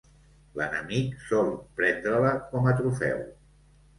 L'enemic sol prendre-la com a trofeu.